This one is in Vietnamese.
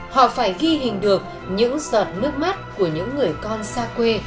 họ phải ghi hình được những giọt nước mắt của những người con xa quê